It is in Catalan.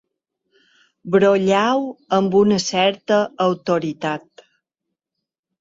Brolleu amb una certa autoritat.